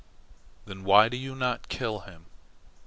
"Then why do you not kill him?"